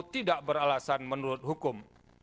tidak beralasan menurut hukum